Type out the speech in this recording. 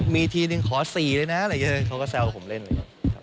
มีทีหนึ่งขอสี่เลยนะเขาก็แซวกับผมเล่นเลย